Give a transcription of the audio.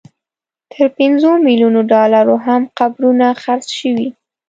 تر پنځو ملیونو ډالرو هم قبرونه خرڅ شوي.